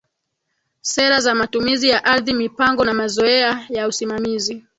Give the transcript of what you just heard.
Sera za matumizi ya ardhi mipango na mazoea ya usimamizi